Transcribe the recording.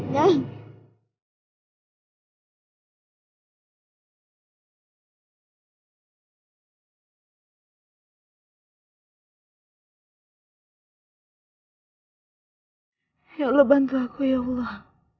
ya allah bantu aku ya allah